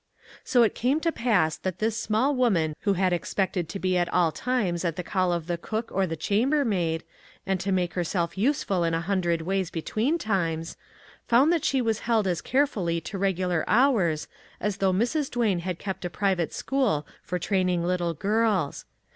So it came to pass that this small woman who had expected to be at all times at the call of the cook or chambermaid, and to make her self useful in a hundred ways between times, found that she was held as carefully to regular hours as though Mrs. Duane had kept a private school for training little girls.